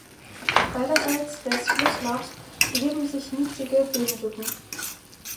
Beiderseits des Flusslaufs erheben sich niedrige Höhenrücken.